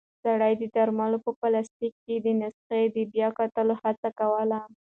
سړی د درملو په پلاستیک کې د نسخې د بیا کتلو هڅه کوله.